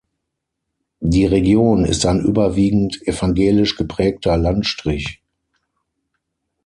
Die Region ist ein überwiegend evangelisch geprägter Landstrich.